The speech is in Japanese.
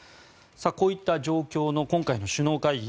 こういった状況の今回の首脳会議